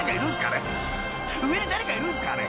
［上に誰かいるんすかね？